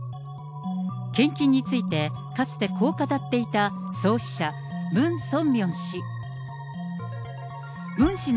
献金について、かつてこう語っていた創始者、ムン・ソンミョン氏。